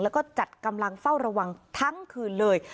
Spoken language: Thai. แล้วก็จัดกำลังเฝ้าระวังทั้งคืนเลย